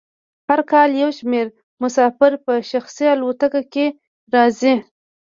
هر کال یو شمیر مسافر په شخصي الوتکو کې راځي